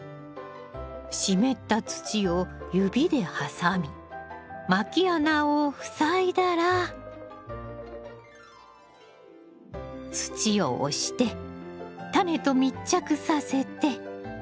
湿った土を指で挟みまき穴を塞いだら土を押してタネと密着させて。